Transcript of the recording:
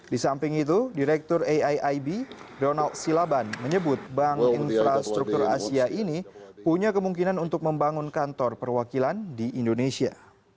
di samping itu direktur aiib donald silaban menyebut bank infrastruktur asia ini punya kemungkinan untuk membangun kantor perwakilan di indonesia